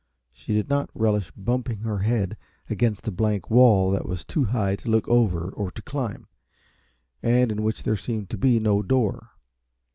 She did not relish bumping her head against a blank wall that was too high to look over or to climb, and in which there seemed to be no door.